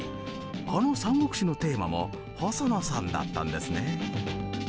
あの「三国志」のテーマも細野さんだったんですね。